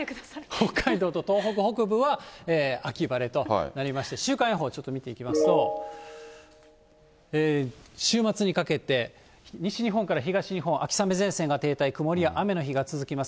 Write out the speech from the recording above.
北海道と東北北部は、秋晴れとなりまして、週間予報ちょっと見ていきますと、週末にかけて、西日本から東日本、秋雨前線が停滞、曇りや雨の日が続きます。